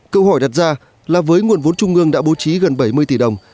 câu hỏi đặt ra là với nguồn vốn trung ương đã bố trí gần bảy mươi tỷ đồng